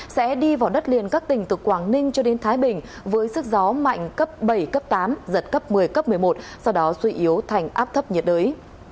sẽ đi vào đất liền các tỉnh từ quảng ninh cho đến thái bình với sức gió mạnh cấp bảy cấp tám giật cấp một mươi cấp một mươi một sau đó suy yếu thành áp thấp nhiệt đới